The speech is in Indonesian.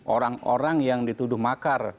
orang orang yang dituduh makar